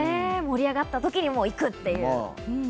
盛り上がったときに行くという。